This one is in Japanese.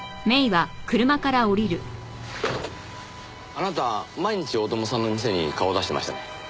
あなた毎日大友さんの店に顔を出してましたね。